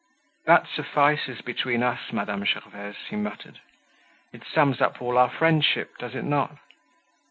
"That suffices between us, Madame Gervaise," he muttered. "It sums up all our friendship, does it not?"